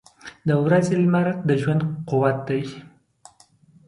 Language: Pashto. • د ورځې لمر د ژوند قوت دی.